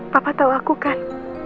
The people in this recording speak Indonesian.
papa tau aku kan